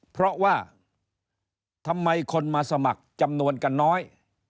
เพราะว่าทำไมคนมาสมัครจำนวนกันน้อย